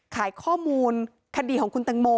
ขายข้อมูลคดีของคุณตังโม